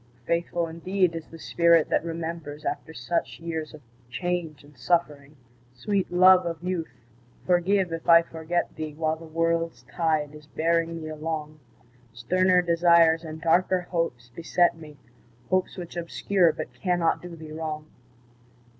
Faithful indeed is the spirit that remembers After such years of change and suffering! Sweet love of youth, forgive if I forget thee While the world's tide is bearing me along; Sterner desires and darker hopes beset me, Hopes which obscure but cannot do thee wrong.